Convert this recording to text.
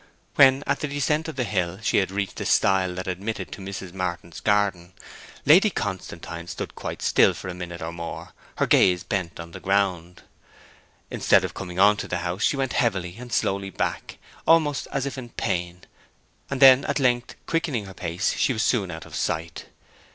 When, at the descent of the hill, she had reached the stile that admitted to Mrs. Martin's garden, Lady Constantine stood quite still for a minute or more, her gaze bent on the ground. Instead of coming on to the house she went heavily and slowly back, almost as if in pain; and then at length, quickening her pace, she was soon out of sight.